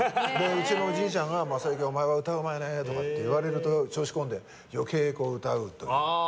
うちのおじいちゃんが雅之、お前は歌がうまいねとかって言われると調子こんで余計歌うという。